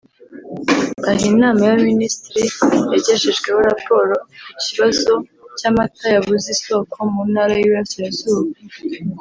Aha inama y’abaminisitiri yagejejweho raporo ku kibazo cy’amata yabuze isoko mu ntara y’iburasirazuba